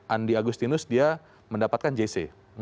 andi agus linus dia mendapatkan jc